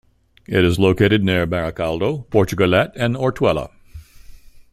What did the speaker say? It is located near Barakaldo, Portugalete and Ortuella.